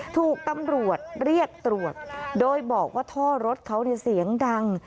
ถูกตำรวจเรียกตรวจโดยบอกว่าท่อรถเขาเสียงดัง